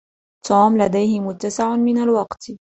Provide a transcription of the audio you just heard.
توم لديهِ متسع من الوقت.